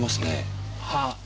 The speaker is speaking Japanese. はあ。